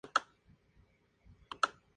Finalmente, esta placa fue retirada.